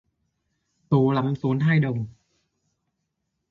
Tố lắm tốn hai đồng